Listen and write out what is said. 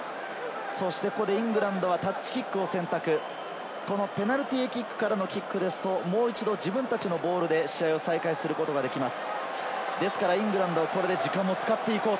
イングランドはタッチキックを選択、ペナルティーキックからのキックですと、もう一度自分たちのボールで試合を再開することができます。